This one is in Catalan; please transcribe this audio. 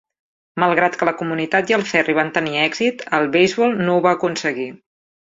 Malgrat que la comunitat i el ferri van tenir èxit, el beisbol no ho va aconseguir.